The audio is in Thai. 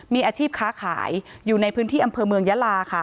มีอาชีพค้าขายอยู่ในพื้นที่อำเภอเมืองยาลาค่ะ